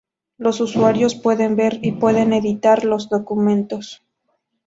Los usuarios pueden ver y pueden editar los documentos.